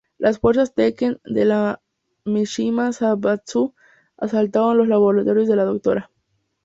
Las Fuerzas Tekken de la Mishima Zaibatsu asaltaron los laboratorios de la Dra.